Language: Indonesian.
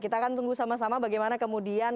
kita akan tunggu sama sama bagaimana kemudian